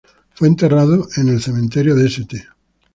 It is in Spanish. Fue enterrado en el cementerio de St.